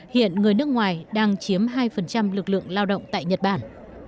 hiện người nước ngoài đang chiếm hai lực lượng lao động tại nhật bản